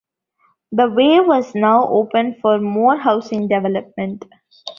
The way was now open for more housing development.